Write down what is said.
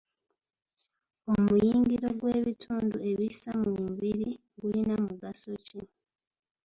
Omuyungiro gw'ebitundu ebissa mu mubiri gulina mugaso ki?